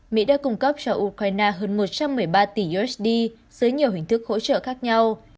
mỹ đã cung cấp cho ukraine hơn một trăm một mươi ba tỷ usd dưới nhiều hình thức hỗ trợ khác nhau